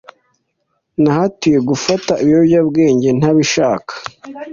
Nahatiwe gufata ibiyobyabwenge ntabishaka.